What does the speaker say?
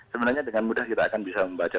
sebenarnya dengan mudah kita akan bisa membaca